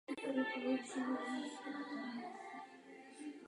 Tento jev lze pozorovat při ročním pohybu Země kolem Slunce.